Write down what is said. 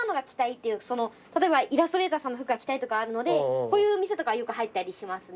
例えばイラストレーターさんの服が着たいとかあるのでこういう店とかよく入ったりしますね。